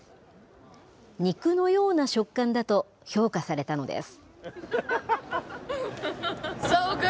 肉のような食感だと評価されたのです。